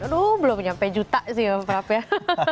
aduh belum sampai juta sih